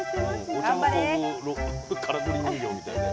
お茶を運ぶからくり人形みたいで。